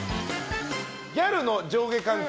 ギャルの上下関係